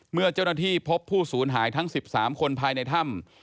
เมื่อเจ้าหน้าที่พบผู้สูญหายทั้ง๑๓คนภายในถ้ำ